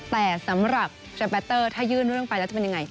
แต่สำหรับแรมเตอร์ถ้ายื่นเรื่องไปแล้วจะเป็นยังไง